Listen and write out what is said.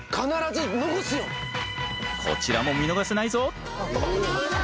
こちらも見逃せないぞ。